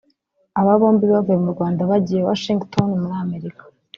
Aba bombi bavuye mu Rwanda bagiye i Washington muri Amerika